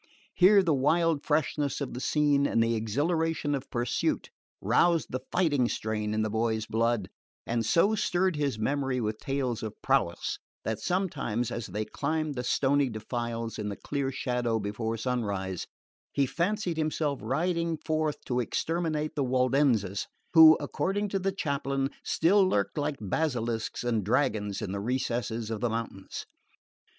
Here the wild freshness of the scene and the exhilaration of pursuit roused the fighting strain in the boy's blood, and so stirred his memory with tales of prowess that sometimes, as they climbed the stony defiles in the clear shadow before sunrise, he fancied himself riding forth to exterminate the Waldenses who, according to the chaplain, still lurked like basilisks and dragons in the recesses of the mountains.